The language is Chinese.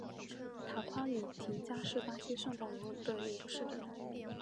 塔夸里廷加是巴西圣保罗州的一个市镇。